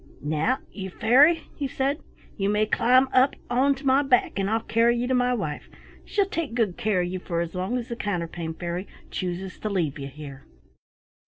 "Now, you Fairy," he said, "you may climb up onto my back, and I'll carry you to my wife; she'll take good care of you for as long as the Counterpane Fairy chooses to leave you here."